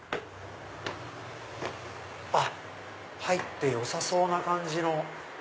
あっ入ってよさそうな感じの。